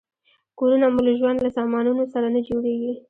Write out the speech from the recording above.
کورونه مو له ژوند له سامانونو سره نه جوړیږي.